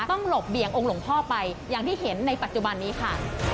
หลบเบี่ยงองค์หลวงพ่อไปอย่างที่เห็นในปัจจุบันนี้ค่ะ